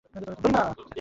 তুই ঠিকভাবে দেখছিস তো?